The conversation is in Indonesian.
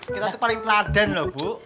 kita tuh paling teladan loh bu